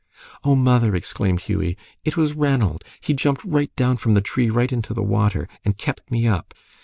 "Oh, mother!" exclaimed Hughie, "it was Ranald. He jumped right down from the tree right into the water, and kept me up.